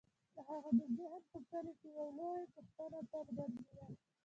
د هغه د ذهن په کلي کې یوه لویه پوښتنه تل ګرځېده: